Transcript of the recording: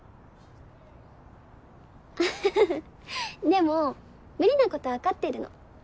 でも無理なことは分かってるの